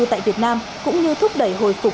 tại việt nam cũng như thúc đẩy hồi phục